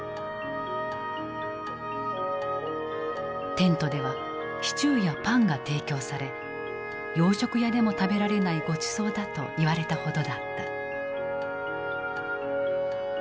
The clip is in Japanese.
テントではシチューやパンが提供され「洋食屋でも食べられないごちそうだ」と言われたほどだった。